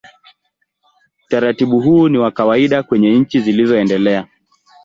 Utaratibu huu ni wa kawaida kwenye nchi zilizoendelea.